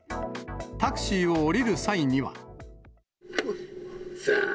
タクシーを降りる際には。